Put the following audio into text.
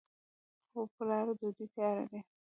هو پلاره! ډوډۍ تیاره ده.